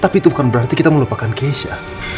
tapi itu bukan berarti kita melupakan keisha